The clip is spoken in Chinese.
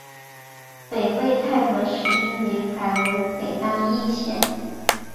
北魏太和十一年改为北安邑县。